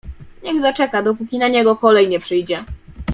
"Niech zaczeka, dopóki na niego kolej nie przyjdzie."